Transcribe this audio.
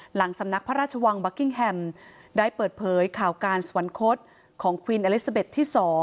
หลังสำนักพระราชวังบัคกิ้งแฮมได้เปิดเผยข่าวการสวรรคตของควีนอเล็กซาเบ็ดที่๒